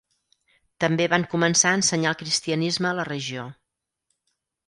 També van començar a ensenyar el cristianisme a la regió.